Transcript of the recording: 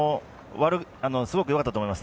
すごくよかったと思います。